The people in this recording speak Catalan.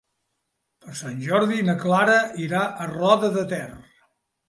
Per Sant Jordi na Clara irà a Roda de Ter.